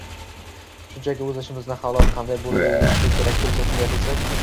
– shunchaki o‘z ishimizni halol, qanday bo‘lishi kerak bo‘lsa, shunday qilsak